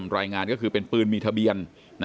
รายงานก็คือเป็นปืนมีทะเบียน